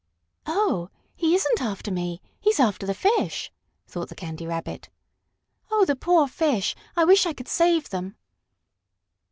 "Oh, he isn't after me he's after the fish!" thought the Candy Rabbit. "Oh, the poor fish! I wish I could save them!"